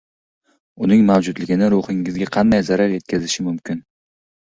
Uning mavjudligi ruhingizga qanday zarar yetkazishi mumkin?